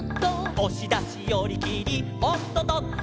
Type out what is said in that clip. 「おしだしよりきりおっととっと」